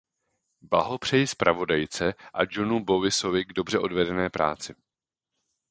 Blahopřeji zpravodajce a Johnu Bowisovi k dobře odvedené práci.